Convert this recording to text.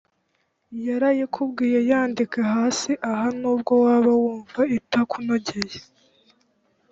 yarayikubwiye yandike hasi aha nubwo waba wumva itakunogeye